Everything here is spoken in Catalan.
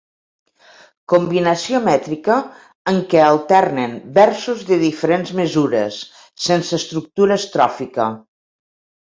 Combinació mètrica en què alternen versos de diferents mesures, sense estructura estròfica.